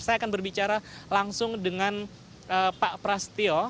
saya akan berbicara langsung dengan pak pras tio